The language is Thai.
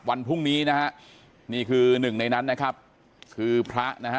วันพรุ่งนี้นะฮะนี่คือหนึ่งในนั้นนะครับคือพระนะฮะ